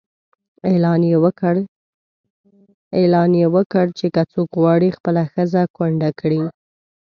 اعلان یې وکړ چې که څوک غواړي خپله ښځه کونډه کړي.